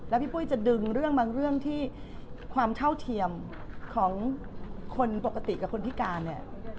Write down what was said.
แล้วพี่ปุ้ยจะดึงเรื่องบางเรื่องที่ความเท่าเทียมของคนปกติกับคนพิการเนี่ย